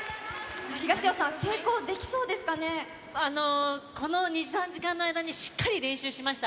東尾さん、この２、３時間の間にしっかり練習しました。